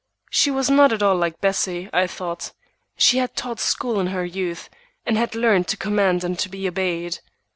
She was not at all like Bessie, I thought. She had taught school in her youth, and had learned to command and be obeyed.